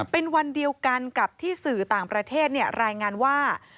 เป็นวันเดียวกันกับที่สื่อต่างประเทศรายงานว่า